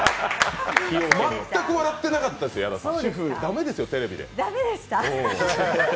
全く笑ってなかったですよ、矢田さん。